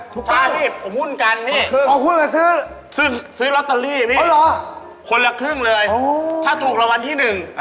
ถ้าถูกระวัลที่๑ในรอตอรี่